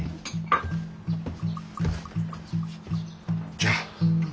じゃあ。